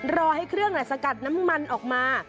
รอให้เครื่องสกัดน้ำมันออกมา